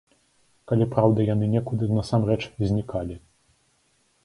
Калі, праўда, яны некуды насамрэч знікалі.